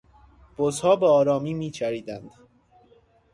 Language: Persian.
بزها به آرامی میچریدند.